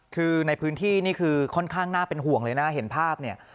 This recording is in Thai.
คือในพื้นที่นี่คือค่อนข้างน่าเป็นห่วงเลยนะเห็นภาพเนี่ย